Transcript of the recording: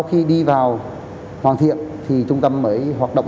khi đi vào hoàn thiện thì trung tâm mới hoạt động